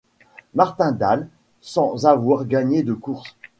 Martindale sans avoir gagné de course.